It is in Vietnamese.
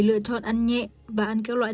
lựa chọn ăn nhẹ và ăn các loại